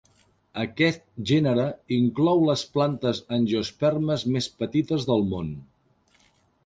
Aquest gènere inclou les plantes angiospermes més petites del món.